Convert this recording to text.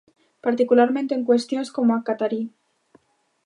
Particularmente en cuestións como a catarí.